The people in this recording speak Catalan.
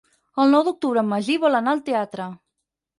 El nou d'octubre en Magí vol anar al teatre.